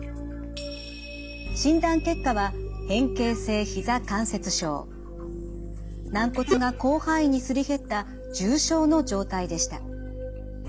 診断結果は軟骨が広範囲にすり減った重症の状態でした。